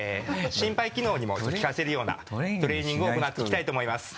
心肺機能にもちょっと効かせるようなトレーニングを行っていきたいと思います。